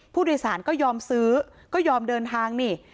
ผู้โดยสารก็ยอมซื้อก็ยอมเดินทางนี่